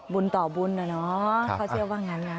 บุญต่อบุญอ่ะเนาะข้าเชียวว่างั้นนะ